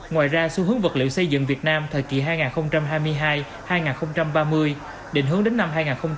ngoài ra xu hướng vật liệu xây dựng việt nam thời kỳ hai nghìn hai mươi hai hai nghìn ba mươi định hướng đến năm hai nghìn năm mươi